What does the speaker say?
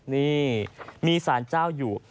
นี่มีสารเจ้าอยู่